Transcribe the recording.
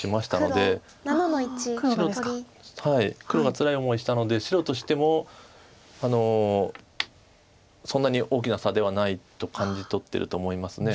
黒がつらい思いしたので白としてもそんなに大きな差ではないと感じとってると思います。